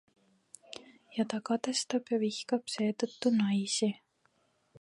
Ja ta kadestab ja vihkab seetõttu naisi.